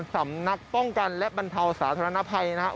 สำนักป้องกันและบรรเทาสาธารณภัยนะครับ